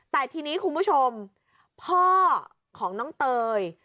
แต่ทีนี้คุณผู้ชมพ่อของน้องเตย